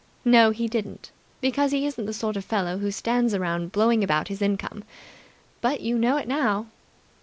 No, he didn't, because he isn't the sort of fellow who stands around blowing about his income. But you know it now."